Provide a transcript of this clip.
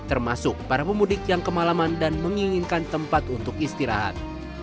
termasuk para pemudik yang kemalaman dan menginginkan tempat untuk istirahat